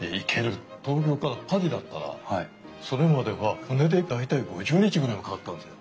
東京からパリだったらそれまでは船で大体５０日ぐらいかかったんですよ。